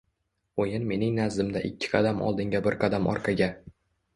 Oʻyin mening nazdimda ikki qadam oldinga bir qadam orqaga